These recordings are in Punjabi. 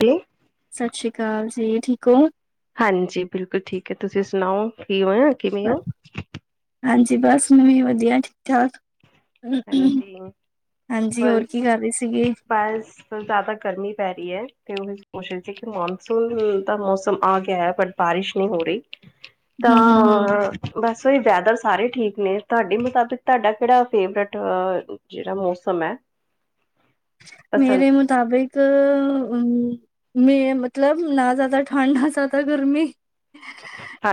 ਤੇ। ਸਤਿ ਸ਼੍ਰੀ ਅਕਾਲ ਜੀ ਠੀਕ ਹੋ। ਹਾਂਜੀ ਬਿਲਕੁਲ ਠੀਕ ਹੈ। ਤੁਸੀਂ ਸੁਣਾਓ ਕੀ ਹੋ। ਕਿਵੇਂ ਹੋ ਹਾਂਜੀ ਬਾੱਸ ਮੈਵੀ ਵਦੀਆ ਠੀਕ-ਠਾਕ। ਹਾਂਜੀ ਹਾਂਜੀ ਹੋਰ ਕੀ ਕਾਰ ਰੇ ਸੀਗੇ। ਬਾੱਸ। ਜ਼ਿਆਦਾ ਗਰਮੀ ਪੈ ਰੀ ਏ ਤੇ [unintelligible] ਮੌਨਸੂਨ ਹੁਨ ਤਾ ਮੌਸਮ ਆ ਗੇਐ ਬੱਟ ਬਾਰਿਸ਼ ਨੀ ਹੋ ਰੀ। ਹਮ ਹਮ ਹਮ ਤਾਂ ਬਾੱਸ ਓਈ ਵੈਦਰ ਸਾਰੇ ਠੀਕ ਨੇ ਤਾਡੇ ਮੁਤਾਬਿਕ ਤਾਡਾ ਕੇੜਾ ਫੇਵਰੇਟ ਅ ਜੇੜਾ ਮੌਸਮ ਐ ਮੇਰੇ ਮੁਤਾਬਿਕ ਅ ਅਮ। ਮੇ ਮਤਲਬ ਨਾ ਜ਼ਾਦਾ ਠਾਂਡ ਨਾ ਜ਼ਾਦਾ ਗਰਮੀ,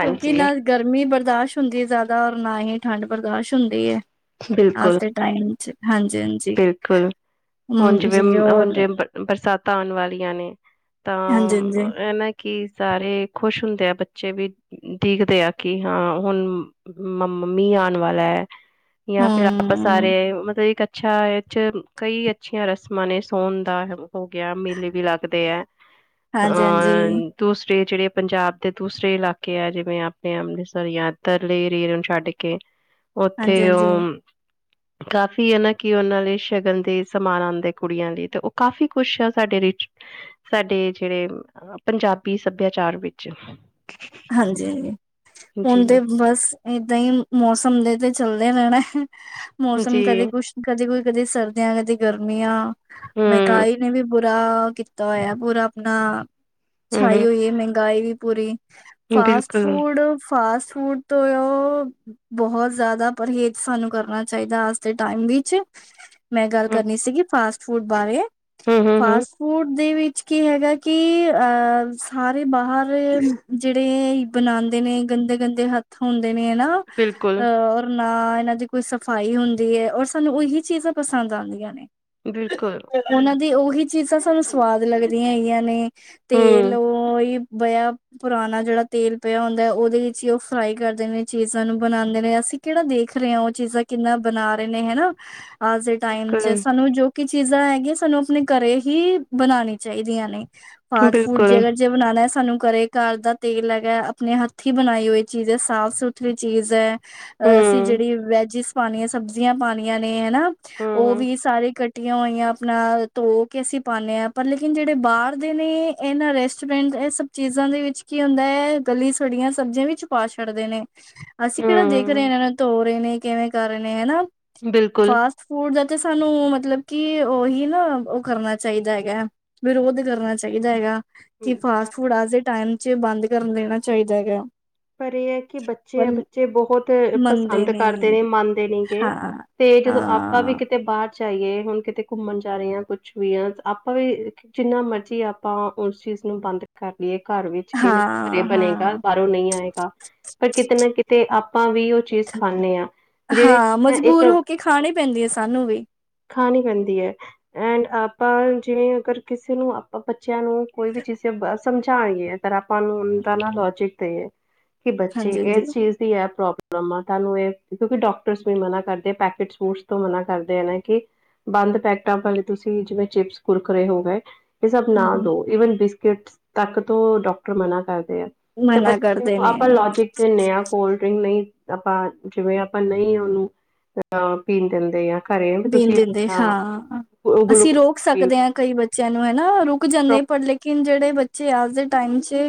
ਕਯੋਂਕਿ ਨਾ ਗਰਮੀ ਬਰਦਾਸ਼ ਹੋਂਦੀ ਏ ਜ਼ਾਦਾ ਔਰ ਨਾ ਹੀ ਠਾਂਡ ਬਰਦਾਸ਼ ਹੋਂਦੀ ਏ ਬਿਲਕੁਲ [unintelligible] ਹਾਂਜੀ-ਹਾਂਜੀ। ਬਿਲਕੁਲ, ਹੋਨ ਜਿਵੇਂ ਹੋਨ ਜਿਵੇਂ ਬਰਸਾਤਾਂ ਆਨ ਵਾਲੀਆਂ ਨੇ, ਤਾਂ ਹਾਂਜੀ ਹਾਂਜੀ ਐਨਾਂ ਕਿ ਸਾਰੇ ਖੋਸ਼ ਹੋਂਦੇ ਐ ਬੱਚੇ ਵੀ ਦੇਖਦੇ ਆ ਕਿ ਹਾਂ ਹੋਨ ਮਮ ਮੀ ਆਨ ਵਾਲੈ। ਯਾ ਫੇਰ ਅਪਾ ਸਾਰੇ ਹਮ ਮਤਬ ਇੱਕ ਅੱਛਾ ਏ ਚ ਕਈ ਅੱਛੀਆਂ ਰਸਮਾਂ ਨੇ ਸੋਨ ਦਾ ਹੋ ਗਯਾ ਮੇਲੇ ਵੀ ਲਾਗਦੇ ਐ। [inaudible] ਹਾਂਜੀ ਹਾਂਜੀ ਦੂਸਰੇ ਜੇੜੇ ਪਂਜਾਬ ਦੇ ਦੂਸਰੇ ਇਲਾਕੇ ਐ ਜਿਵੇ ਆਪਨੇ ਅੰਮ੍ਰਿਤਸਰ ਯਾ ਐਦਰਲੇ ਏਰੀਏ ਨੂੰ ਛੱਡ ਕੇ। ਹ। ਓਥੇ ਓ, ਕਾਫੀ ਐ ਨਾ ਕਿ ਓਨਾ ਲਈ ਸ਼ਗਨ ਦੇ ਸਮਾਨ ਆਂਦੇ ਕੁੜੀਆਂ ਲਈ ਤੇ ਓ ਕਾਫੀ ਕੋਛ ਆ ਸਾਡੇ ਰਿਚ ਸਾਡੇ ਜੇਰੇ ਪਂਜਾਬੀ ਸਬਯਾਚਾਰ ਵਿੱਚ। ਹਾਂਜੀ-ਹਾਂਜੀ, ਹੁਨ ਜੀ ਤੇ ਬਾੱਸ ਏਦਾ ਈ ਮੌਸਮ ਦੇ ਤੇ ਚੱਲਦੇ ਰੈਣੈ। ਮੌਸਮ ਜੀ ਕਦੇ ਕੁਛ ਕਦੇ ਕੋਈ ਕਦੇ ਸਰਦੀਆ ਕਦੇ ਗਰਮੀਆ, ਹਮ ਮੈਗਾਈ ਨੇ ਵੀ ਬੁਰਾ ਕੀਤਾ ਓਏਐ ਪੂਰਾ ਅਪਨਾ, ਹਮ ਛਾਈ ਹਮ ਓਈ ਏ ਮੈੰਗਾਈ ਵੀ ਪੂਰੀ। ਫਾਸਟ ਬਿਲਕੁਲ ਫੂਡ- ਫਾਸਟ ਫੂਡ ਤੋ ਯੋ ਬੋਹਤ ਜ਼ਾਦਾ ਪਰਹੇਜ਼ ਸਾਨੂੰ ਕਰਨਾ ਚਾਈਦਾ ਆੱਜ ਦੇ ਟਾਈਮ ਵਿੱਚ। ਮੈਂ ਗਾੱਲ ਹਮ ਕਰਨੀ ਸੀਗੀ ਫਾਸਟ ਫੂਡ ਬਾਰੇ, ਹਮ ਹਮ ਹਮ ਫਾਸਟ ਫੂਡ ਦੇ ਵਿੱਚ ਕੀ ਹੈਗਾ ਕਿ ਅ ਸਾਰੇ ਬਾਹਰ ਜੇੜੇਈ ਬਨਾਂਦੇ ਨੇ ਗਨਦੇ-ਗਨਦੇ ਹੱਥ ਹੋਂਦੇ ਨੇ ਅਨਾ, ਬਿਲਕੁਲ ਔਰ ਨਾ ਏਨਾ ਦੀ ਕੋਈ ਸਫ਼ਾਈ ਹੋਂਦੀ ਏ ਔਰ ਸਾਨੂੰ ਓਹੀ ਚੀਜ਼ਾ ਪਸਾਂਦ ਆਂਦੀਆ ਨੇ। ਬਿਲਕੁਲ। ਓਨਾ ਦੀ ਓਹੀ ਚੀਜ਼ਾਂ ਸਾਨੂੰ ਸਵਾਦ ਲੱਗਦੀਆਂ ਐਗੀਆਂ ਨੇ, ਤੇਲ ਹਮ ਓ ਈ ਬਯਾ ਪੁਰਾਨਾ ਜੜਾ ਤੇਲ ਪਯਾ ਓਂਦੈ ਓਦੇ ਵਿੱਚ ਈ ਓ ਫਰਾਈ ਕਰਦੇ ਨੇ ਚੀਜ਼ਾਂ ਨੂੰ ਬਨਾਂਦੇ ਨੇ ਅਸੀ ਕੇੜਾ ਦੇਖ ਰੇ ਆ ਓ ਚੀਜ਼ਾਂ ਕਿਨਾ ਬਨਾ ਰੇ ਨੇ ਹੈਨਾ, ਆੱਜ ਦੇ ਟਾਈਮ ਚ ਬਿਲਕੁਲ ਸਾਨੂੰ ਜੋ ਕੀ ਚੀਜ਼ਾਂ ਐਗੀਆਂ ਸਾਨੂੰ ਅਪਨੇ ਘੱਰੇ ਹੀ ਬਨਾਨੀ ਚਾਈਦੀਆਂ ਨੇ, ਫਾਸਟ ਫੂਡ ਜੇ ਬਿਲਕੁਲ ਅਗਰ ਜੇ ਬਨਾਨੈ ਸਾਨੂੰ ਘੱਰੇ ਘਾੱਰ ਦਾ ਤੇਲ ਐਗੈ ਅਪਨੇ ਹੱਥੀ ਬਨਾਈ ਓਈ ਚੀਜ਼ ਐ ਸਾਫ ਸੁਥਰੀ ਚੀਜ਼ ਐ ਅਸੀ ਹਮ ਜੜੀ ਵੈਜਿਸ ਪਾਨੀਐ ਸਬਜ਼ੀਆਂ ਪਾਨੀਆਂ ਨੇ ਅਨਾ, ਹਮ ਹਮ ਓਵੀ ਸਾਰੇ ਕੱਟ ਟੀਆਂ ਓਈਆਂ ਅਪਨਾ ਤੋ ਕੇ ਅਸੀ ਪਾਨੇ ਆ, ਪਰ ਲੇਕਿਨ ਜੜੇ ਬਾਰ ਦੇ ਨੇ ਐਨਾ ਰੈਸਟੋਰੈਂਟ ਐ ਸੱਬ ਚੀਜ਼ਾਂ ਦੇ ਵਿੱਚ ਕੀ ਓਂਦੈ ਐ ਗਲੀ ਸੜੀਆਂ ਸਬਜ਼ੀਆਂ ਵਿੱਚ ਪਾ ਛੱਡਦੇ ਨੇ। ਅਸੀਂ ਕਿਹੜਾ ਦੇਖ ਰਹੇ ਆ ਹਮ ਇਹਨਾਂ ਨੂੰ ਧੋ ਰਹੇ ਨੇ, ਕਿਵੇਂ ਕਰ ਰਹੇ ਨੇ ਹਨਾ, ਬਿਲਕੁਲ ਫਾਸ ਫੂਡ ਦਾ ਤੇ ਸਾਨੂੰ ਮਤਲਬ ਕਿ ਉਹੀ ਨਾ ਉਹ ਕਰਨਾ ਚਾਹੀਦਾ ਹੈਗਾ ਐ। ਵਿਰੋਧ ਕਰਨਾ ਚਾਹੀਦਾ ਹੈਗਾ। ਕੀ ਫਾਸਟ ਫੂਡ ਅਜ ਦੇ ਟਾਈਮ ਚ ਬੰਦ ਕਰਨ ਦੇਣਾ ਚਾਹੀਦਾ ਹੈਗਾ। ਪਰ ਇਹ ਐ ਕਿ ਬੱਚ ਪਰ ਬੱਚੇ ਬਹੁਤ ਮੰਨਦੇ ਪਸੰਦ ਕਰਦੇ ਨਹੀਂ ਨੇ, ਮੰਨਦੇ ਨੀ ਗੇ। ਹਾਂ ਤੇ ਜਦੋਂ ਆਪਾਂ ਵੀ ਹਾਂ ਕਿਤੇ ਬਾਹਰ ਜਾਈਏ, ਹੁਣ ਕਿਤੇ ਘੁੰਮਣ ਜਾ ਰਹੇ ਆ, ਕੁੱਛ ਵੀ ਆ, ਤ ਆਪਾਂ ਵੀ ਜਿੰਨਾ ਮਰਜ਼ੀ ਆਪਾਂ ਉਸ ਚੀਜ਼ ਨੂੰ ਬੰਦ ਕਰ ਲਈਏ, ਘਰ ਵਿੱਚ ਕੇ ਨ ਘਰੇ ਹਾਂ ਹਾਂ ਬਣੇਗਾ, ਬਾਹਰੋਂ ਨਈ ਆ ਪਰ ਕਿਤੇ ਨਾ ਕਿਤੇ ਆਪਾਂ ਵੀ ਉਹ ਚੀਜ਼ ਖਾਂਨੇ ਆ, ਜਿਹੜੇ ਇੱਕ ਕਿ ਖਾਣੀ ਪੈਂਦੀ ਐ ਸਾਨੂੰ ਵੀ। ਖਾਣੀ ਪੈਂਦੀ ਐ। ਐਂਡ ਆਪਾਂ ਜਿਵੇਂ ਅਗਰ ਕਿਸੇ ਨੂੰ ਆਪਾਂ ਬੱਚਿਆਂ ਨੂੰ ਕੋਈ ਵੀ ਚੀਜ਼ ਬਈ ਸਮਝਾਨੀ ਐ। ਫਿਰ ਆਪਾਂ ਨੂੰ ਉਦਾ ਨਾ ਲੋਜਿਕ ਦੇਇਏ, ਕਿ ਬੱਚੇ ਹਾਂਜੀ ਹਾਂਜੀ ਇਸ ਚੀਜ਼ ਆ, ਪ੍ਰੋਬਲਮ ਆ ਤੁਹਾਨੂੰ ਇਹ, ਕਿਉਂਕਿ ਡਾਕਟਰਸ ਵੀ ਮਨਾ ਕਰਦੇ, ਪੈਕਟ ਫੂਡ ਤੋਂ ਮਨਾ ਕਰਦੇ ਆ ਨਾ। ਕਿ ਬੰਦ ਪੈਕਟਾਂ ਤੁਸੀਂ ਪਹਿਲਾਂ ਜਿਵੇਂ ਚਿਪਸ ਕੁਰਕਰੇ ਹੋ ਗਏ। ਇਹ ਸਭ ਨਾ ਦੋ, ਈਵਨ ਬਿਸਕਿਟ ਤੱਕ ਤੋਂ ਡਾਕਟਰ ਮਨਾ ਕਰਦੇ ਆ। ਤੇ ਮਨਾ ਬੱਚੇ ਕਰਦੇ ਨੂੰ ਨੇ ਆਪਾਂ ਲੋਜਿਕ ਦੇਨੇ ਆ, ਕੋਲਡ ਡਰਿੰਕ ਨੀ ਆਪਾਂ ਜਿਵੇਂ ਆਪਾਂ ਨਈ ਉਹਨੂੰ ਜਿਦਾਂ ਪੀਣ ਦਿੰਦੇ ਆ, ਘਰੇ ਵੀ ਦੇਣ ਤੁਸੀਂ ਦਿੰਦੇ ਹਾਂ, ਅਸੀਂ ਗਲੂਕੋਸ ਰੋਕ ਪੀ ਸਕਦੇ ਹਾਂ ਲਓ ਕਈ ਬੱ ਚਿਆਂ ਨੂੰ ਹੈਨਾ ਰੁਕ ਜਾਂਦੇ ਐ, ਪਰ ਲੇਕਿਨ ਜਿਹੜੇ ਬੱਚੇ ਅੱਜ ਦੇ ਟਾਈਮ ਚ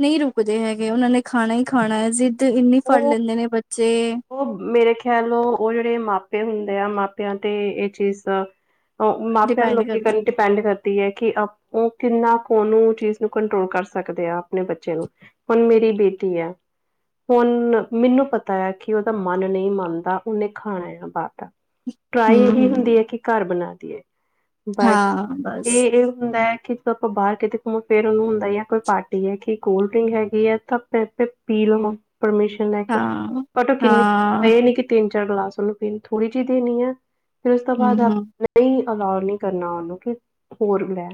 ਨਈ ਰੁਕਦੇ ਹੈਗੇ, ਉਹਨਾਂ ਨੇ ਖਾਣਾ ਹੀ ਖਾਣਾ ਜ਼ਿੱਦ ਇੰਨੀ ਫੜ ਉਹ ਲੈਂਦੇ ਨੇ ਬੱਚੇ। ਉਹ ਮੇਰੇ ਖਿਆਲ ਉ ਉਹ ਜਿਹੜੇ ਮਾਪੇ ਹੁੰਦੇ ਆ ਮਾਪਿਆਂ ਤੇ ਇਹ ਚੀਜ਼ ਉਹ ਮਾਪਿਆਂ ਨੂੰ ਡਿਪੈਂਡ ਲੋਕੀ ਕਰਦੀ ਕਹਿ ਡਪੈਂਡ ਕਰਦੀ ਐ, ਕਿ ਉਹ ਕਿੰਨਾ ਕ ਉਹਨੂੰ ਉਹ ਚੀਜ਼ ਨੂੰ ਕੰਟਰੋਲ ਕਰ ਸਕਦੇ ਆ ਆਪਣੇ ਬੱਚੇ ਨੂੰ। ਹੁਣ ਮੇਰੀ ਬੇਟੀ ਐ, ਹੁਣ ਮੈਨੂੰ ਪਤਾ ਐ ਕਿ ਉਹਦਾ ਮਨ ਨਹੀਂ ਮੰਨਦਾ, ਉਹਨੇ ਖਾਣਾ ਆ ਬਾਹਰ ਦਾ। ਟਰਾਈ ਇਹੀ ਹਮ ਹੁੰਦੀ ਐ ਕਿ ਘਰ ਬਣਾ ਦੀਏ। ਬਟ ਹਾਂ ਇਹ ਬਸ ਇਹ ਹੁੰਦਾ ਐ ਕਿ ਆਪਾਂ ਬਾਹਰ ਕਿਤੇ ਘੁੰਮੋ ਫਿਰ ਉਹਨੂੰ ਹੁੰਦਾ ਐ, ਜਾਂ ਕੋਈ ਪਾਰਟੀ ਐ ਕਿ ਕੋਲਡ ਡਰਿੰਕ ਹੈਗੀ ਐਂ ਤਾਂ ਪ ਆਪੇ ਪੀ ਲਵਾਂ। ਪਰਮਿਸ਼ਨ ਲੈ ਕੇ। ਹਾਂ ਬਟ ਕਿੰਨੀ ਹਾਂ ਇਹ ਨੀ ਕਿ ਤਿੰਨ ਚਾਰ ਗਲਾਸ ਉਹਨੂੰ ਪੀਣੀ, ਥੋੜੀ ਜਿਹੀ ਦੇਣੀ ਆ, ਫੇਰ ਉਸ ਤੋਂ ਹਮ ਬਾਅਦ ਆਪ ਹਮ ਕੋਈ ਅਲਾਓ ਨੀ ਕਰਨਾ ਉਹਨੂੰ ਕਿ ਹੋਰ ਲੈ,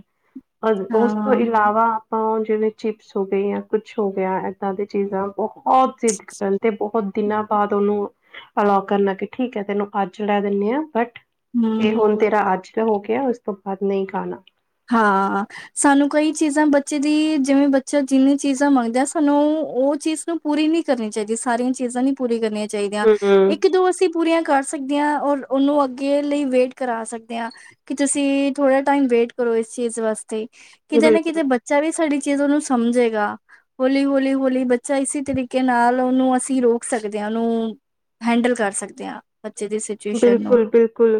ਉਸ ਤੋਂ ਹਾਂ ਇਲਾਵਾ ਆਪਾਂ ਜਿਵੇਂ ਚਿਪਸ ਹੋ ਗਏ ਜਾਂ ਕੁਛ ਹੋ ਗਿਆ, ਇੱਦਾਂ ਦੀ ਚੀਜ਼ਾਂ ਬਹੁਤ ਜਿੱਦ ਕਰਨ ਤੇ ਬਹੁਤ ਦਿਨਾਂ ਬਾਅਦ ਉਹਨੂੰ ਅਲਾਓ ਕਰਨਾ, ਕਿ ਠੀਕ ਐ ਤੈਨੂੰ ਅੱਜ ਲੈ ਦਿੰਨੇ ਆ, ਬਟ ਇਹ ਹਮ ਹੁਣ ਤੇਰਾ ਅੱਜ ਹੋ ਗਿਆ, ਉਸ ਤੋਂ ਬਾਅਦ ਨਈ ਖਾਣਾ। ਹਾਂ। ਸਾਨੂੰ ਕਈ ਚੀਜ਼ਾਂ ਬੱਚੇ ਦੀ, ਜਿਵੇਂ ਬੱਚਾ ਜਿੰਨੀ ਚੀਜ਼ਾਂ ਮੰਗਦਾ, ਸਾਨੂੰ ਉਹ ਚੀਜ਼ ਨੂੰ ਪੂਰੀ ਨੀ ਕਰਨੀ ਚਾਹੀਦੀ, ਸਾਰੀਆਂ ਚੀਜ਼ਾਂ ਨੀ ਪੂਰੀ ਕਰਨੀਆਂ ਚਾਹੀਦੀਆਂ, ਹਮ ਇੱਕ ਦੋ ਅਸੀਂ ਪੂਰੀਆਂ ਕਰ ਸਕਦੇ ਆ, ਔਰ ਉਹਨੂੰ ਅੱਗੇ ਲਈ ਵੇਟ ਕਰਾ ਸਕਦੇ ਆ। ਕਿ ਤੁਸੀਂ ਥੋੜਾ ਟਾਈਮ ਵੇਟ ਕਰੋ ਇਸ ਚੀਜ਼ ਵਾਸਤੇ, ਕਿਤੇ ਨਾ ਬਿਲਕੁਲ ਕਿਤੇ ਬੱ ਚਾ ਵੀ ਸਾਡੀ ਚੀਜ਼ਾਂ ਨੂੰ ਸਮਝੇਗਾ। ਹੌਲੀ ਹੌਲੀ ਹੌਲੀ ਬੱਚਾ ਇਸੀ ਤਰੀਕੇ ਨਾਲ ਉਹਨੂੰ ਅਸੀਂ ਰੋਕ ਸਕਦੇ ਆ, ਉਹਨੂੰ ਹੈਂਡਲ ਕਰ ਸਕਦੇ ਆ, ਬੱਚੇ ਦੀ ਸਿੱ ਬਿਲਕੁਲ-ਬਿਲਕੁਲ,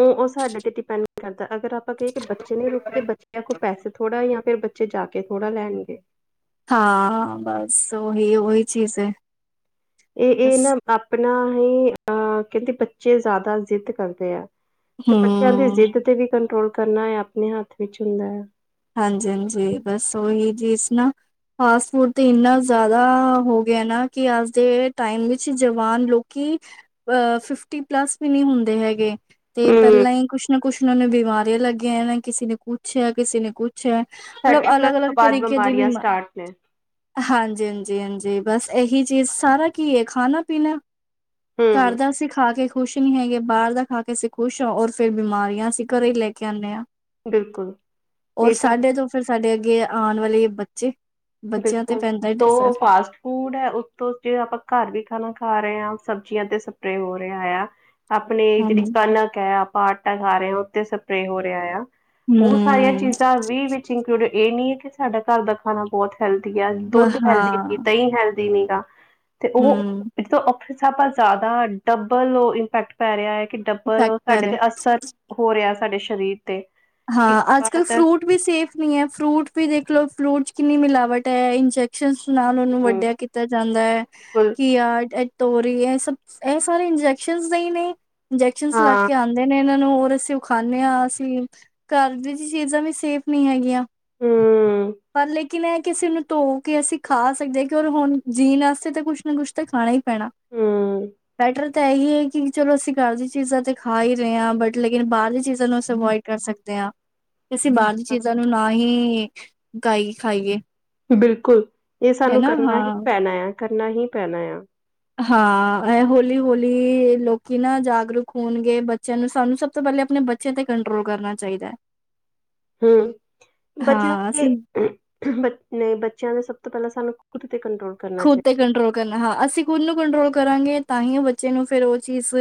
ਉਹ-ਉਹ ਸਾਡੇ ਤੇ ਡਿਪੈਂਡ ਕਰਦਾ, ਅਗਰ ਆਪਾਂ ਕਹੀਏ, ਕਿ ਬੱਚੇ ਨੀ ਰੁਕਦੇ ਬੱ ਚਿਆ, ਕੋ ਪੈਸੇ ਥੋੜ੍ਹਾ ਜਾਂ ਫਿਰ ਬੱਚੇ ਜਾ ਕੇ ਥੋੜਾ ਲੈਣਗੇ। [inaudible] ਹਾਂ, ਬਸ ਉਹੀ-ਉਹੀ ਚੀਜ਼ ਹੈ। ਇਹ-ਇਹ ਬਸ ਨਾ ਆਪਣਾ ਹੀ, ਅ ਕਹਿੰਦੇ ਬੱਚੇ ਜ਼ਿਆਦਾ ਜ਼ਿੱਦ ਕਰਦੇ ਆ। ਤੇ ਬੱਚਿਆਂ ਦੀ ਹੂੰ, ਜ਼ਿੱਦ ਤੇ ਵੀ ਕੰਟਰੋਲ ਕਰਨਾ ਹੈ, ਆਪਣੇ ਹੱਥ ਵਿੱਚ ਹੁੰਦਾ ਹੈ। ਹਾਂਜੀ-ਹਾਂਜੀ, ਬਸ ਓਹੀ ਚੀਜ਼ ਨਾ। ਫਾਸਟ ਫੂਡ ਤੇ ਇੰਨਾ ਜ਼ਿਆਦਾ ਹੋ ਗਿਆ ਨਾ, ਕਿ ਅੱਜ ਦੇ ਟਾਈਮ ਵਿੱਚ ਜਵਾਨ ਲੋਕੀ ਅ ਫਿਫਟੀ ਪਲੱਸ ਵੀ ਨਹੀਂ ਹੁੰਦੇ ਹੈਗੇ। ਤੇ ਹਮ ਪਹਿਲਾਂ ਹੀ ਕੁੱਛ ਨਾ ਕੁੱਛ ਉਹਨਾਂ ਨੂੰ ਬਿਮਾਰੀਆਂ ਲੱਗੀਆਂ, ਇਹ ਕਿਸੇ ਨੇ ਕੁੱਛ ਏ ਕਿਸੇ ਨੇ ਕੁਛ ਮਤਲਬ ਥਰਟੀ ਪਲੱਸ ਤੋਂ ਅਲੱਗ-ਅਲੱਗ ਬਾਅਦ ਤਰੀਕੇ ਦੀਆ ਬਿਮਾਰੀਆਂ ਬਿਮਾਰੀਆ ਸਟਾਰਟ ਨੇ ਹਾਂਜੀ, ਹਾਂਜੀ-ਹਾਂਜੀ, ਬਸ ਇਹੀ ਚੀਜ਼ ਸਾਰਾ ਕੀ ਹੈ? ਖਾਣਾ ਪੀਣਾ ਘਰ ਹਮ ਦਾ ਅਸੀਂ ਖਾ ਕੇ ਖ਼ੁਸ਼ ਨੀ ਹੈਗੇ, ਬਾਹਰ ਦਾ ਖਾ ਕੇ ਅਸੀਂ ਖੁਸ਼ ਹਾਂ, ਔਰ ਫਿਰ ਬਿਮਾਰੀਆ ਅਸੀਂ ਘਰੇ ਹੀ ਲੈ ਕੇ ਆਉਂਦੇ ਹਾਂ। ਬਿਲਕੁਲ। ਔਰ ਇਹ ਤਾਂ ਸਾਡੇ ਤੋਂ ਫਿਰ ਸਾਡੇ ਅੱਗੇ ਆਉਣ ਵਾਲੇ ਬੱਚੇ। ਬੱਚਿਆਂ ਤੇ ਬਿਲਕੁਲ ਪੈਂਦਾ ਈ ਅਸਰ ਤੋਂ ਫਾਸਟ। ਫੂਡ ਹੈ, ਉੱਤੋਂ ਜੇ ਆਪਾਂ ਘਰ ਵੀ ਖਾਣਾ ਖਾ ਰਹੇ ਹਾਂ, ਸਬਜ਼ੀਆਂ ਤੇ ਸਪਰੇਅ ਹੋ ਰਿਹਾ ਆ। ਆਪਣੀ ਜਿਹੜੀ ਹਾਂਜੀ ਕਣਕ ਹੈ, ਆਪਾਂ ਆਟਾ ਖਾ ਰਹੇ ਹਾਂ, ਉੱਥੇ ਸਪਰੇਅ ਹੋ ਰਿਹਾ ਆ। ਉਹ ਸਾਰੀਆਂ ਹੂੰ ਚੀਜ਼ਾਂ ਵੀ ਵਿੱਚ ਇੰਕਲੂਡ ਇਹ ਨਹੀਂ ਹੈ, ਕਿ ਸਾਡਾ ਘਰ ਦਾ ਖਾਣਾ ਬਹੁਤ ਹੈਲਦੀ ਆ, ਵ ਦੁੱਧ ਹੈਲਦੀ ਹੈਗੀ, ਹਾਂ ਦਹੀਂ ਹੈਲਦੀ ਨੀ ਗਾ, ਤੇ ਉਹ ਹੂੰ ਸਭਾ ਜ਼ਿਆਦਾ ਡਬਲ ਇੰਪੈਕਟ ਪੈ ਰਿਹਾ ਹੈ, ਕਿ ਇਫੈਕਟ ਡਬਲ ਪੈ ਸਾਡੇ ਰਿਹਾ ਤੇ ਅਸਰ ਹੋ ਰਿਹਾ ਸਾਡੇ ਸਰੀਰ ਤੇ ਹਾਂ, ਅੱਜ ਕੱਲ ਹੂੰ ਫਰੂਟ ਵੀ ਸੇਫ ਨਹੀਂ ਹੈ, ਫਰੂਟ ਵੀ ਦੇਖ ਲਓ, ਫਰੂਟ ਚ ਕਿੰਨੀ ਮਿਲਾਵਟ ਹੈ ਇੰਜੈਕ ਇੰਜੈਕਸ਼ਨ ਨਾਲ ਉਹਨੂੰ ਵੱਡਿਆ ਕੀਤਾ ਜਾਂਦਾ ਹੈ, ਬਿਲਕੁਲ ਕਿ ਆ ਤੋਰੀ, ਇਹ ਸਭ ਇਹ ਸਾਰੇ ਇੰਜੈਕਸ਼ਨ ਦੇ ਨੇ ਇੰਜੈਕਸ਼ਨ ਲਾ ਹਾਂ ਕੇ ਆਉਂਦੇ ਨੇ, ਇਹਨਾਂ ਨੂੰ ਹੋਰ ਅਸੀਂ ਉਹ ਖਾਦੇ ਹਾਂ, ਅਸੀਂ ਘਰ ਦੀ ਜ ਚੀਜ਼ਾਂ ਵੀ ਸੇਫ ਨਹੀਂ ਹੈਗੀਆਂ, ਹੂੰ ਪਰ ਲੇਕ ਕਿ ਨਾ ਕਿਸੇ ਨੂੰ ਧੋ ਕੇ ਅਸੀਂ ਖਾ ਸਕਦੇ ਹਾਂ, ਕਰ ਹੁਣ ਜੀਣ ਵਾਸਤੇ ਤਾਂ ਕੁੱਛ ਨਾ ਕੁਛ ਤਾਂ ਖਾਣਾ ਹੀ ਪੈਣਾ, ਹੂੰ ਬੈਟਰ ਤਾਂ ਇਹੀ ਹੈ ਕਿ ਚਲੋ ਅਸੀਂ ਘਰ ਦੀ ਚੀਜ਼ਾਂ ਤੇ ਖਾ ਹੀ ਰਹੇ ਹਾਂ, ਬਟ ਲੇਕਿਨ ਬਾਹਰ ਦੀ ਚੀਜ਼ਾਂ ਨੂੰ ਅਸੀਂ ਅਵੋਇਡ ਕਰ ਸਕਦੇ। ਦਿਆ, ਅਸੀਂ ਬਾਹਰਲੀ ਚੀਜ਼ਾਂ ਨੂੰ ਨਾ ਹੀ ਖਾਈ ਖਾਈਏ। ਬਿਲਕੁਲ, ਇਹ ਸਾਨੂੰ ਹਨਾ ਕਰਨਾ ਹੀ ਹਾਂ ਪੈਣਾ ਆ, ਕਰਨਾ ਹੀ ਪੈਣਾ ਆ। ਹਾਂ, ਇਹ ਹੌਲੀ-ਹੌਲੀ ਲੋਕੀ ਨਾ ਜਾਗਰੂਕ ਹੋਣਗੇ, ਬੱਚਿਆਂ ਨੂੰ ਸਾਨੂੰ ਸਭ ਤੋਂ ਪਹਿਲੇ ਆਪਣੇ ਬੱਚੇ ਬੱਚੇ ਤੇ ਕੰਟਰੋਲ ਕਰਨਾ ਚਾਹੀਦਾ ਹੈ। ਹਮ ਬੱਚਿਆਂ ਹਾਂ ਕੇ ਅਸੀਂ ਬੱਚ ਨੇ, ਬੱਚਿਆਂ ਦੇ ਸਭ ਤੋਂ ਪਹਿਲਾਂ ਸਾਨੂੰ ਖ਼ੁਦਤੇ ਕੰਟਰੋਲ ਕਰਨਾ ਖੁਦ ਤੇ ਚਾਹੀਦਾ ਕੰਟਰੋਲ ਕਰਨਾ ਹਾਂ। ਅਸੀਂ ਖੁਦ ਨੂੰ ਕੰਟਰੋਲ ਕਰਾਂਗੇ, ਤਾਂ ਹੀ ਉਹ ਬੱਚੇ ਨੂੰ ਫੇਰ ਉਹ ਚੀਜ਼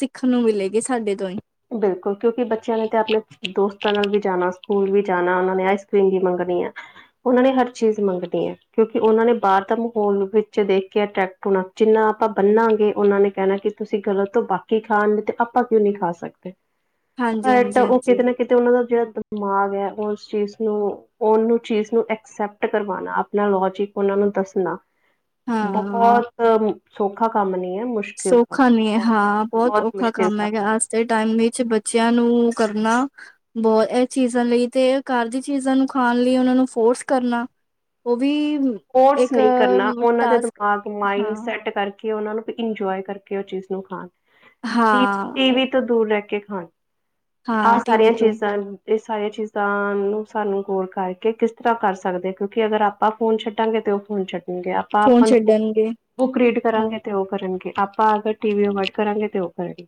ਸਿੱਖਣ ਨੂੰ ਮਿਲੇਗੀ, ਸਾਡੇ ਤੋਂ ਹੀ। ਬਿਲਕੁਲ, ਕਿਉਂਕਿ ਬੱਚਿਆਂ ਨੇ ਤੇ ਆਪਣੇ ਦੋਸਤਾਂ ਨਾਲ ਵੀ ਜਾਣਾ, ਸਕੂਲ ਵੀ ਜਾਣਾ, ਉਹਨਾਂ ਨੇ ਆਈਸ ਕਰ੍ਰੀਮ ਵੀ ਮੰਗਣੀ ਆ। ਉਹ ਨੇ ਹਰ ਚੀਜ਼ ਮੰਗਣੀ ਹੈ, ਕਿਉਂਕਿ ਉਹਨਾਂ ਨੇ ਬਾਹਰ ਦਾ ਮਾਹੌਲ ਵਿੱਚ ਦੇਖ ਕੇ ਅਟਰੈਕਟ ਹੁ ਜਿੰਨਾ ਆਪਾਂ ਬੰਨਾਂਗੇ, ਉਹਨਾਂ ਨੇ ਕਹਿਣਾ, ਕਿ ਤੁਸੀਂ ਗ਼ਲਤ ਤੋਂ ਬਾਕੀ ਖਾਣ ਤੇ ਆਪਾਂ ਕਿਉਂ ਨਹੀਂ ਖਾ ਸਕਦੇ। ਹਾਂਜੀ, ਬਟ ਹਾਂਜੀ, ਉਹ ਹਾਂਜੀ ਕਿਤੇ ਨਾ ਕਿਤੇ ਉਹਨਾ ਦਾ ਜਿਹੜਾ ਦਿਮਾਗ ਹੈ, ਉਹ ਉਸ ਚੀਜ਼ ਨੂੰ ਉਹਨੂੰ ਚੀਜ਼ ਨੂੰ ਐਕਸੈਪਟ ਕਰਵਾਣਾ, ਆਪਣਾ ਲੋਜਿਕ ਉਹਨਾਂ ਨੂੰ ਦੱਸਣਾ। ਹਾਂ। ਬਹੁਤ ਸੌਖਾ ਕੰਮ ਨੀ ਹੈ, ਮੁਸ਼ਕ ਸੌਖਾ ਨੀ ਹੈ, ਹਾਂ ਬਹੁਤ ਔਖਾ ਕੰਮ ਹੈਗਾ। ਦੇ ਟਾਈਮ ਵਿੱਚ ਬੱਚਿਆਂ ਨੂੰ ਕਰਨਾ ਬਹੁਤ ਇਹ ਚੀਜ਼ਾਂ ਲਈ ਤੇ, ਘਰ ਦੀ ਚੀਜ਼ਾਂ ਨੂੰ ਖਾਣ ਲਈ ਉਹਨਾਂ ਨੂੰ ਫੋਰਸ ਕਰਨਾ ਉਹ ਵੀ ਫੋਰਸ ਇੱਕ ਨਹੀਂ ਕਰਨਾ, ਉਹਨਾਂ ਦੇ ਟਾਸਕ ਦਿਮਾਗ ਮਾਇਡ ਹਾਂ, ਸੈਟ ਕਰਕੇ ਕੀ ਉਹਨਾਂ ਨੂੰ ਇੰਜੋਏ ਕਰਕੇ ਉਹ ਚੀਜ਼ ਨੂੰ ਖਾਣ, ਹਾਂ, ਟੀਵੀ ਤੋਂ ਦੂਰ ਰਹਿ ਕੇ ਖਾਣ, ਆਹ ਹਾਂ ਟੀਵੀ ਸਾਰੀਆਂ ਤੋਂ ਚੀਜ਼ਾਂ ਐ ਇਹ ਸਾਰੀਆਂ ਚੀਜ਼ਾਂ ਨੂੰ ਸਾਨੂੰ ਗੋਲ ਕਰਕੇ ਕਿਸ ਤਰ੍ਹਾਂ ਕਰ ਸਕਦੇ, ਕਿਉਂਕਿ ਅਗਰ ਆਪਾਂ ਫੋਨ ਛੱਡ ਡਾਟਾਂਗੇ ਤੇ ਉਹ ਫੋਨ ਛੱਡਣਗੇ, ਆਪਾਂ ਫੋਨ ਆਪਾਂ ਨੂੰ ਛੱਡਣਗੇ ਬੁੱਕ ਰੀਡ ਕਰਾਂਗੇ ਤੇ ਉਹ ਕਰਨਗੇ, ਆਪਾਂ ਅਗਰ ਟੀਵੀ ਅਵੋਇਦ ਕਰਾਂਗੇ, ਤੇ ਔਹ ਕਰਨਗੇ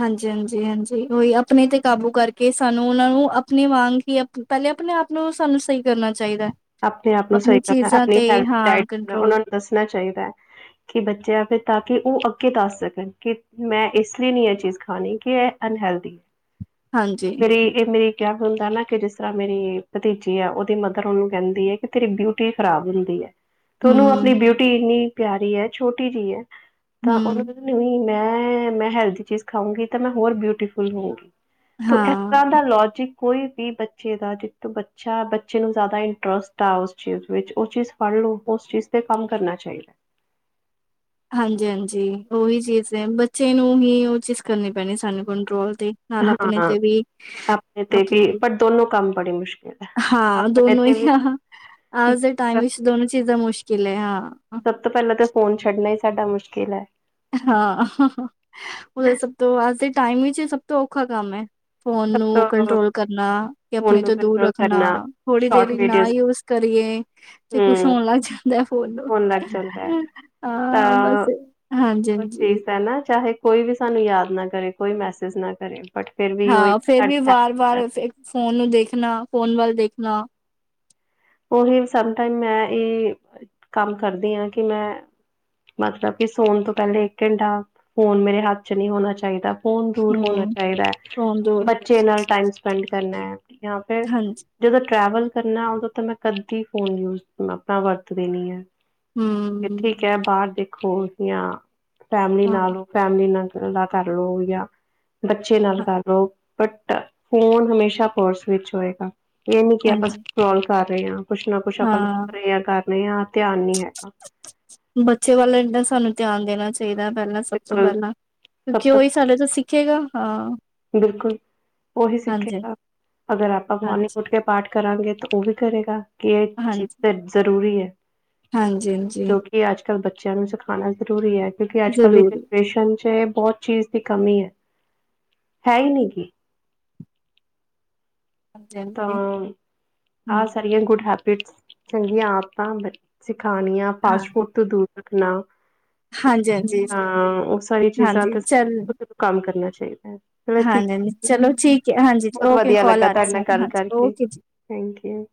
ਹਾਂਜੀ ਹਾਂਜੀ ਹਾਂਜੀ ਉਹੀ, ਆਪਣੇ ਤੇ ਕਾਬੂ ਕਰਕੇ ਸਾਨੂੰ ਉਹਨਾਂ ਨੂੰ ਆਪਣੇ ਵਾਂਗ ਹੀ ਪਹਿਲੇ ਅਪਣੇ ਆਪ ਨੂੰ, ਸਾਨੂੰ ਸਹੀ ਕਰਨਾ ਚਾਹੀਦਾ ਐ ਆਪਣੇ ਆਪ ਨੂੰ ਸਹੀ ਕਰਨਾ, ਆਪਣੀ ਹੈਲਤ ਡਾਇਟ ਦਾ ਕੰਟਰੋਲ ਉਹਨਾਂ ਨੂੰ ਦੱਸਣਾ ਚਾਹੀਦਾ ਹੈ ਕਿ ਬੱਚੇਆ ਤੇ, ਤਾਂਕਿ ਉਹ ਅੱਗੇ ਦੱਸ ਸਕਣ ਕਿ ਮੈਂ ਇਸ ਲਈ ਨਹੀਂ ਇਹ ਚੀਜ਼ ਖਾਣੀ ਕਿ ਇਹ ਅਨਹੈਲਦੀ ਹਾਂਜੀ। ਮੇਰੀ ਇਹ ਮੇਰੀ ਕਿਹਾ ਵੀ ਹੁੰਦਾ ਨਾ, ਕਿ ਜਿਸ ਤਰਾ ਮੇਰੀ ਭਤੀਜੀ ਆ ਉਹਦੀ ਮਦਰ ਔਹਨੂੰ ਕਹਿੰਦੀ ਏ ਕਿ ਤੇਰੀ ਬਿਊਟੀ ਖਰਾਬ ਹੁੰਦੀ ਐ, ਤੋ ਉਹਨੂੰ ਹੂੰ, ਆਪਣੀ ਬਿਊਟੀ ਇੰਨੀ ਪਿਆਰੀ ਐ ਛੋਟੀ ਜਿਹੀ ਐ, ਤਾਂ ਉਹਨੂੰ ਹੂੰ, ਨੀ ਨਹੀਂ ਮੈਂ ਮੈਂ ਹੈਲਦੀ ਚੀਜ਼ ਖਾਉਂਗੀ ਤਾਂ ਮੈਂ ਹੋਰ ਬਿਊਟੀਫੁੱਲ ਹੌਉਂਗੀ ਤੋ ਹਾਂ, ਏਦਾਂ ਦਾ ਲੋਜਿਕ ਕੋਈ ਵੀ ਬੱਚੇ ਦਾ ਜਿੱਟੋ ਬੱਚਾ ਬੱਚੇ ਨੂੰ ਜ਼ਿਆਦਾ ਇੰ ਟਰੱਸਟ ਆ ਉਸ ਚੀਜ਼ ਵਿੱਚ, ਉਹ ਚੀਜ਼ ਫੜ ਲਓ ਉਸ ਚੀਜ਼ ਤੇ ਕੰਮ ਕਰਨਾ ਚਾਹੀਦੈ ਹਾਂਜੀ ਹਾਂਜੀ ਉਹੀ ਚੀਜ਼ ਹੈ, ਬੱਚੇ ਨੂੰ ਹੀ ਉਹ ਚੀਜ਼ ਕਰਨੀ ਪੈਣੀ ਸਾਨੂੰ ਕੰਟਰੋਲ ਤੇ ਨਾਲ ਆਪਣੇ ਹਾਂ ਤੇ ਵੀ, ਆਪਣੇ ਤੇ ਦੋਨੋ ਕੰਮ ਬੜੀ ਮੁਸ਼ਕਿਲ ਹੈ ਹਾਂ ਆਪਣੇ ਦੋਨੋ ਹੀ ਤੇ ਵੀ ਹਹੰ ਆਜ ਦੇ ਟਾਈਮ ਵਿੱਚ ਦੋਨੋ ਚੀਜ਼ਾਂ ਮੁਸ਼ਕਿਲ ਏ ਹਾਂ ਸਭ ਤੋਂ ਪਹਿਲਾਂ ਤਾਂ ਫੋਨ ਛੱਡਣਾ ਹੀ ਸਾਡਾ ਮੁਸ਼ਕਿਲ ਹੈ ਹਾਂ ਔਹ ਤੇ ਸਭਤੋਂ ਟਾਈਮ ਵਿੱਚ ਇ ਸਭ ਤੋਂ ਔਖਾ ਕੰਮ ਹੈ ਫੋਨ ਸਭ ਨੂੰ ਤੋਂ ਕੰਟਰੋਲ ਕਰਨਾ, ਤੇ ਫੋਨ ਆਪਣੇ ਨੂੰ ਤੋਂ ਦੂਰ ਕੰਟਰੋਲ ਰੱਖਣਾ। ਕਰਨਾ ਥੋੜੀ ਸ਼ੋਰਟ ਦੇਰੀ ਈ ਨਾ ਵੀਡੀਓਜ਼ ਯੂਸ ਕਰੀਏ, ਤੇ ਕੁਛ ਹੂੰ ਹੋਣ ਲੱਗ ਜਾ। ਲੇਯਾ ਫੋਨ ਨੂੰ, ਹੋਣ ਲੱਗ ਜਾਂਦਾ ਹੈ ਹਾਂ ਤਾਂ ਬਸ ਉਹ ਹਾਂਜੀ-ਹਾਂਜੀ। ਚੀਜ਼ ਹੈ ਨਾ ਚਾਹੇ ਕੋਈ ਵੀ ਸਾਨੂੰ ਯਾਦ ਨਾ ਕਰੇ ਕੋਈ ਮੈਸੇਜ ਨਾ ਕਰੇ। ਬਟ ਫਿਰ ਵੀ ਉਹੀ ਹਾਂ ਫੇਰ ਸਾਡੀ ਵੀ ਵਾਰ ਹੈ। ਵਾਰ ਫੇਕ ਫੋਨ ਨੂੰ ਦੇਖਣਾ, ਫੋਨ ਵੱਲ ਦੇਖਣਾ ਔਹੀ ਸਮ ਟਾਈਮ ਮੈਂ ਇਹ ਕੰਮ ਕਰਦੀ ਆ ਕਿ ਮੈਂ। ਮਤਲਬ ਕਿ ਸੋਨ ਤੋਂ ਪਹਿਲੇ ਇੱਕ ਘੰਟਾ, ਫੋਨ ਮੇਰੇ ਹੱਥ ਚ ਨਹੀਂ ਹੋਣਾ ਚਾਹੀਦਾ। ਫੋਨ ਦੂਰ ਹੋਣਾ ਹੂੰ। ਚਾਹੀਦੈ ਫੋਨ ਐ, ਦੂਰ ਬੱਚੇ ਨਾਲ ਟਾਈਮ ਸਪੈਂਡ ਕਰਨਾ ਐ, ਯਾਂ ਫਿਰ ਹਾਂਜੀ, ਜਦੋਂ ਟਰੈਵਲ ਕਰਨਾ ਉਦੋਂ ਤਾਂ ਮੈਂ ਕਦੀ ਫੋਨ ਯੂਜ ਆਪਣਾ ਵਰਤਦੀ ਨੀ ਆ। ਹੂ ਯਾਂ ਬਾਹਰ ਦੇਖੋ ਯਾਂ ਫੈਮਿਲੀ ਹਾਂ, ਨਾਲੋਂ ਫੈਮਿਲੀ ਨਾਲ ਦਾ ਕਰ ਲਓ ਯਾਂ ਬੱਚੇ ਨਾਲ ਕਰ ਲਓ ਬੱਟ ਫੋਨ ਹਮੇਸ਼ਾ ਪਰਸ ਵਿੱਚ ਹੋਏਗਾ, ਇਹ ਨੀ ਕਿ ਆਪਾਂ ਹਾਂਜੀ। ਸਕਰੋਲ ਕਰ ਰਹੇ ਆਂ ਕੁਛ ਨਾ ਕੁੱਛ ਆਪਾਂ ਹਾਂ, ਲਿਖ ਰਹੇ ਆਂ, ਕਰ ਰਹੇ ਆਂ ਧਿਆਨ ਨੀ ਹੈਗਾ ਬੱਚੇ ਵੱਲ ਇਨਾ ਸਾਨੂੰ ਧਿਆਨ ਦੇਣਾ ਚਾਹੀਦਾ ਪਹਿਲਾਂ ਸਭ ਤੋਂ ਬਿਲਕੁਲ ਪਹਿਲਾਂ ਕਿਉਂਕਿ ਉਹ ਇਸ ਸਾਡੇ ਤੋਂ ਸਿੱਖੇਗਾ ਹਾਂ ਬਿਲਕੁਲ ਔਹੀ ਹਾਂਜੀ। ਸਿੱਖੇਗਾ ਅਗਰ ਆਪਾਂ ਮੋਰਨਿੰਗ ਹਾਂਜੀ, ਉੱਠ ਕੇ ਪਾਠ ਕਰਾਂਗੇ, ਤਾਂ ਉਹ ਵੀ ਕਰੇਗਾ ਕਿ ਇਹ ਹਾਂਜੀ, ਚੀਜ਼ ਜ਼ਰੂਰੀ ਹੈ ਹਾਂਜੀ ਹਾਂਜੀ ਜੋ ਕਿ ਅੱਜ- ਕੱਲ ਬੱਚੇਆਂ ਨੂੰ ਸਿਖਾਣਾ ਜ਼ਰੂਰੀ ਆ, ਕਿਉਂਕਿ ਅੱਜ- ਕੱਲ ਦੀ ਜ਼ਰੂਰ, ਪੇਸ਼ਨ ਚ ਬੋਤ ਚੀਜ਼ ਦੀ ਕਮੀ ਐ, ਹੈ, ਇ, ਨਿ, ਗੀ, ਹਾਂਜੀ, ਹਾਂਜੀ। ਤਾਂ ਹੂੰ, ਆਹ ਸਾਰੀਆਂ ਗੁੱਡ ਹੈਬਿਟਸ, ਚੰਗੀਆਂ ਆਦਤਾਂ ਬ ਸਿਖਾਣੀਆਂ ਹਾਂ, ਫਾਸਟ-ਫੂਡ ਤੋਂ ਦੂਰ ਰੱਖਣਾ। ਹਾਂਜੀ, ਹਾਂਜੀ, ਹਾਂ ਉਹ ਸਾਰੀਆ ਚੀਜ਼ਾਂ ਹਾਂਜੀ ਤੇ ਸਾਨੂੰ ਚੱਲ ਖੁਦ ਕੰਮ ਕਰਨਾ ਚਾਹੀਦੈ। ਹਾਂਜੀ -ਹਾਂਜੀ ਚਲੋ ਠੀਕ ਹੈ, ਹਾਂਜੀ ਬਹੁਤ ਔਕੇ ਵਧੀਆ ਕੋਲ ਲੱਗਾ ਆ-ਰੀ ਤੁਹਾਡੇ ਨਾਲ ਸੀ। ਮੈਨੂੰ ਗੱਲ ਹਾਂਜੀ ਕਰਕੇ ਓਕੇ ਜੀ। Thank you.